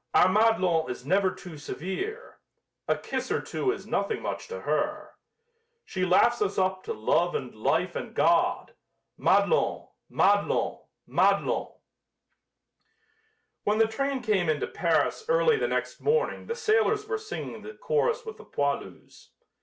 Our Madelon is never too severe A kiss or two is nothing much to her She laughs us up to love and life and God Madelon! Madelon! Madelon! When the train came into Paris early the next morning the sailors were singing the chorus with the poilus.